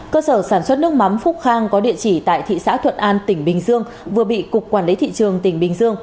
cơ sở sản xuất nước mắm phúc khang có địa chỉ tại thị xã thuận an tỉnh bình dương vừa bị cục quản lý thị trường tỉnh bình dương